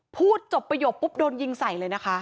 พูดจบประโยคปุ๊บโดนยิงใส่เลยนะคะ